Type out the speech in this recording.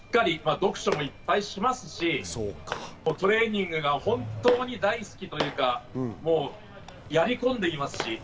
読書もいっぱいしますし、トレーニングが本当に大好きというか、やりこんでいますし。